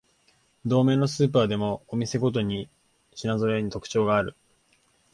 同名のスーパーでもお店ごとに品ぞろえに特徴がある